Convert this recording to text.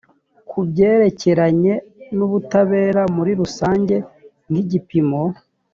ku byerekeranye n ubutabera muri rusange nk igipimo